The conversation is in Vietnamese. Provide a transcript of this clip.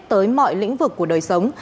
tới mọi lĩnh vực của đời sống